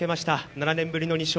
７年ぶりの２勝。